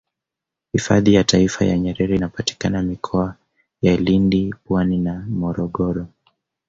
hifadhi ya taifa ya nyerere inapatikana mikoa ya lindi pwani na morogoro